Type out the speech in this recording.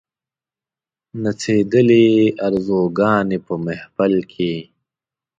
نڅېدلې آرزوګاني په محفل کښي